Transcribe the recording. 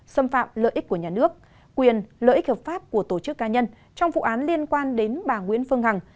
xâm phạm lợi ích của nhà nước quyền lợi ích hợp pháp của tổ chức cá nhân trong vụ án liên quan đến bà nguyễn phương hằng